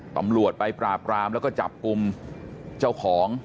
ตำรวจไปปราบรามแล้วก็จับกลุ่มเจ้าของ